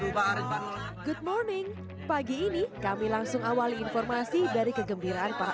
hai itu baris baris good morning pagi ini kami langsung awali informasi dari kegembiraan para